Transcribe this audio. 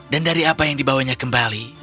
dan dari apa yang dibawanya kembali